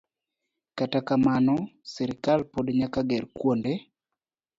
Kata kamano, sirkal pod nyaka ger kuonde